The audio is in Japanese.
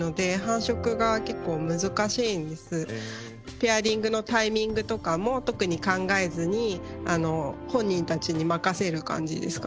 ペアリングのタイミングとかも特に考えずに本人たちに任せる感じですか？